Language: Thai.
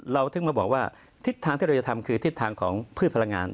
เราถึงมาบอกว่าทิศทางที่เราจะทำคือทิศทางของพืชพลังงาน